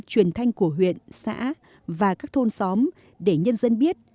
truyền thanh của huyện xã và các thôn xóm để nhân dân biết